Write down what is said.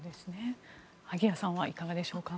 萩谷さんはいかがでしょうか。